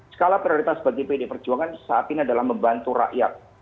skala prioritas bagi pd perjuangan saat ini adalah membantu rakyat